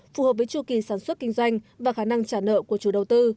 phù hợp với chu kỳ sản xuất kinh doanh và khả năng trả nợ của chủ đầu tư